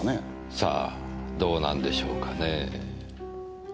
さあどうなんでしょうかねぇ。